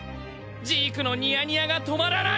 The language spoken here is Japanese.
ジークのニヤニヤが止まらない！